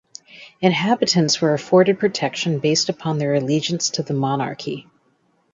Inhabitants were afforded protection based upon their allegiance to the monarchy.